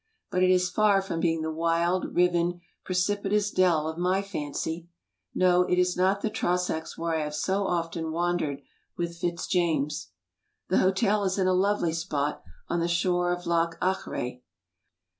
But it is far from being the wild, riven, precipitous dell of my fancy. No, it is not the Trossachs where I have so often wandered with Fitz James. The hotel is in a lovely spot, on the shore of Loch Achray.